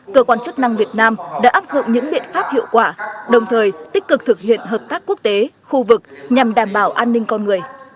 cơ quan chức năng việt nam đã áp dụng những biện pháp hiệu quả đồng thời tích cực thực hiện hợp tác quốc tế khu vực nhằm đảm bảo an ninh con người